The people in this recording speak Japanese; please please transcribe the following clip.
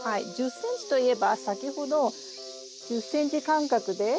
１０ｃｍといえば先ほど１０ｃｍ間隔で。